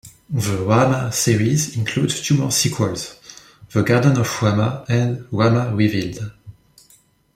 The "Rama" series includes two more sequels: "The Garden of Rama" and "Rama Revealed".